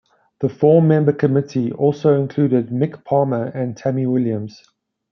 The four member Committee also included Mick Palmer and Tammy Williams.